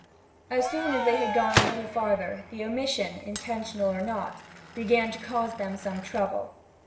As soon as they had gone a little farther the omission, intentional or not, began to cause them some trouble.